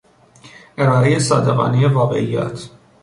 ارائهی صادقانهی واقعیات